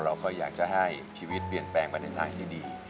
เราก็อยากจะให้ชีวิตเปลี่ยนแปลงไปในทางที่ดี